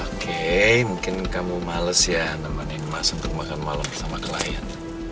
oke mungkin kamu males ya nemenin emas untuk makan malam bersama klien